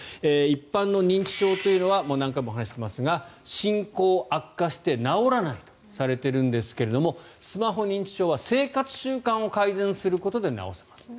一般の認知症というのは何回も話していますが進行・悪化して治らないとされていますがスマホ認知症は生活習慣を改善することで治すことができます